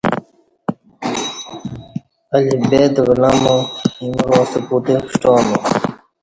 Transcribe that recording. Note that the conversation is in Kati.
الف بے تہ ولامو ایمراستہ پوتہ ݜٹامو